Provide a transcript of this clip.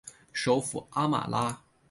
首府阿马拉。